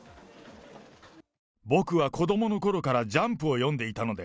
僕は子どものころからジャンプを読んでいたので、